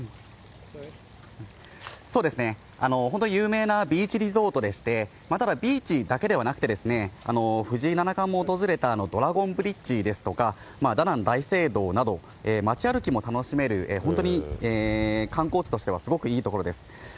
そうですね、本当に有名なビーチリゾートでして、ただ、ビーチだけではなくて、藤井七冠も訪れたドラゴンブリッジですとか、ダナン大聖堂など、街歩きも楽しめる、本当に観光地としてはいい所です。